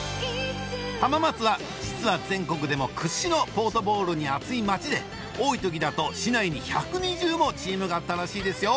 浜松は実は全国でも屈指のポートボールに熱い街で多い時だと市内に１２０もチームがあったらしいですよ